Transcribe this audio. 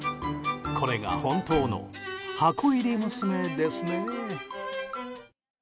これが本当の箱入り娘ですね。